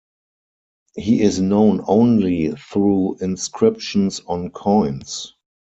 He is known only through inscriptions on coins.